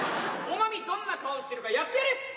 おまみどんな顔してるかやってやれ。